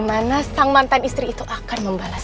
kamu mantan istrinya dr fari